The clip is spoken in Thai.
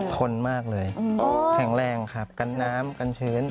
ทนมากเลยแข็งแรงครับกันน้ำกันชื้น